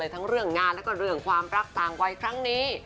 ทั้งเรื่องงานและเรื่องความรักตามไวของนี่